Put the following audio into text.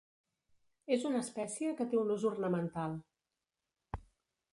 És una espècie que té un ús ornamental.